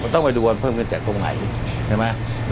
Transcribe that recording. ต้องไปดูมันเพิ่มขึ้นจากตรงไหนเห็นไหม